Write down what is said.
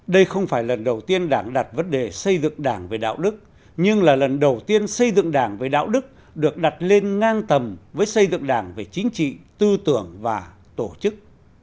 đây không phải lần đầu tiên đảng đặt vấn đề xây dựng đảng về đạo đức nhưng là lần đầu tiên xây dựng đảng về đạo đức được đặt lên ngang tầm với xây dựng đảng về chính trị tư tưởng và tổ chức